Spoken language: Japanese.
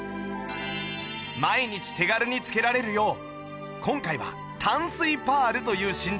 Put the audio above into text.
毎日手軽に着けられるよう今回は淡水パールという真珠を使用